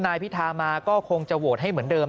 นายพิธามาก็คงจะโหวตให้เหมือนเดิม